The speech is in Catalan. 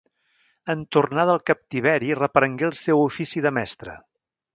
En tornar del captiveri reprengué el seu ofici de mestre.